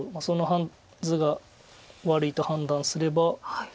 その図が悪いと判断すれば。